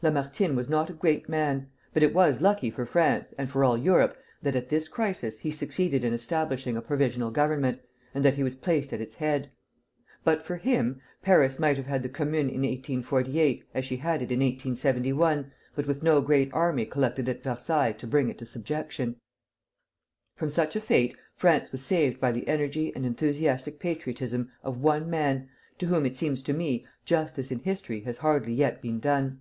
Lamartine was not a great man, but it was lucky for France, and for all Europe, that at this crisis he succeeded in establishing a provisional government, and that he was placed at its head. But for him, Paris might have had the Commune in 1848, as she had it in 1871, but with no great army collected at Versailles to bring it to subjection. From such a fate France was saved by the energy and enthusiastic patriotism of one man, to whom, it seems to me, justice in history has hardly yet been done.